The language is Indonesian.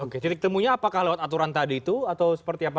oke titik temunya apakah lewat aturan tadi itu atau seperti apa